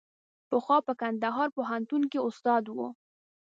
پخوا په کندهار پوهنتون کې استاد و.